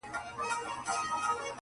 او هري تيږي- هر ګل بوټي- هري زرکي به مي-